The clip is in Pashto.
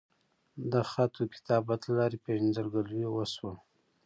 د خط وکتابت لۀ لارې پېژنګلو اوشوه